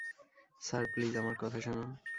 Sir, please আমার কথা শুনুন।